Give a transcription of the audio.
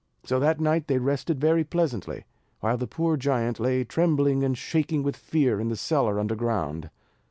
So that night they rested very pleasantly, while the poor giant lay trembling and shaking with fear in the cellar under ground.